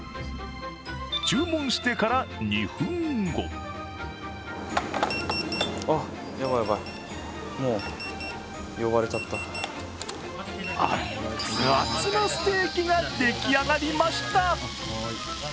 注文してから２分後アッツアツのステーキができ上がりました。